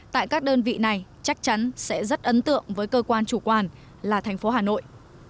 tại các đơn vị này chắc chắn sẽ rất ấn tượng với cơ quan chủ quản là thành phố hà nội